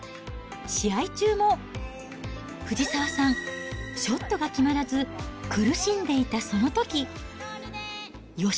試合中も、藤澤さん、ショットが決まらず苦しんでいたそのとき。